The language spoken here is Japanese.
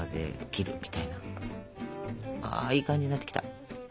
ああいい感じになってきた。